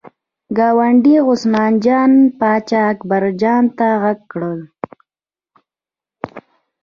ګاونډي عثمان جان پاچا اکبر جان ته غږ کړل.